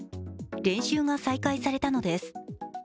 練習が再開されたのです。